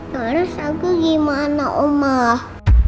terus aku gimana omah